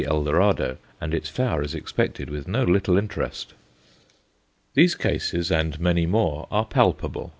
Eldorado_, and its flower is expected with no little interest. These cases, and many more, are palpable.